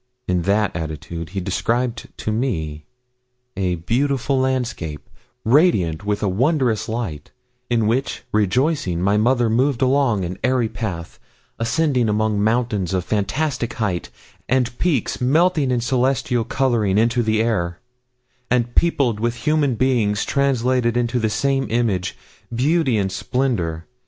In that attitude he described to me a beautiful landscape, radiant with a wondrous light, in which, rejoicing, my mother moved along an airy path, ascending among mountains of fantastic height, and peaks, melting in celestial colouring into the air, and peopled with human beings translated into the same image, beauty, and splendour.